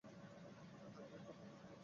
তার বিরুদ্ধে অনেক যুদ্ধ করেছে।